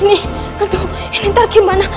ini ntar gimana